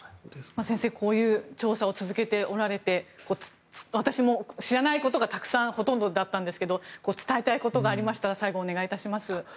先生はこういう調査を続けておられて私も知らないことがほとんどだったんですけど伝えたいことがありましたら最後、お願いします。